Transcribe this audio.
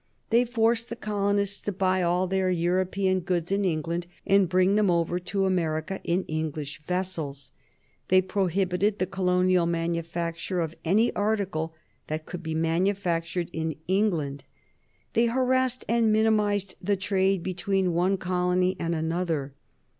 They forced the colonists to buy all their European goods in England and bring them over to America in English vessels. They prohibited the colonial manufacture of any article that could be manufactured in England. They harassed and minimized the trade between one colony and another.